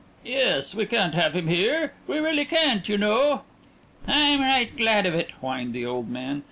"Yes, we can't have him here. We really can't, you know?" "I'm right glad of it," whined the old man.